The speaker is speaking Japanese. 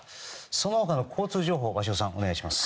その他の交通情報を鷲尾さん、お願いします。